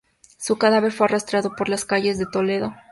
Su cadáver fue arrastrado por las calles de Toledo.